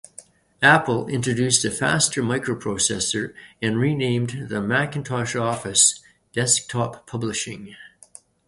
Apple introduced a faster microprocessor and renamed "The Macintosh Office" "Desktop Publishing.